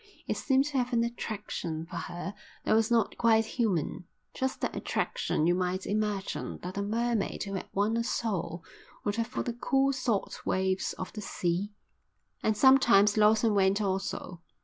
It seemed to have an attraction for her that was not quite human, just that attraction you might imagine that a mermaid who had won a soul would have for the cool salt waves of the sea; and sometimes Lawson went also.